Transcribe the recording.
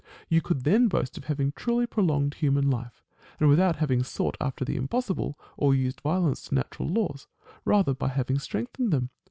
You could then boast of having truly prolonged human life ; and without having sought after the impossible, or used violence to natural laws ; rather, by having strengthened them.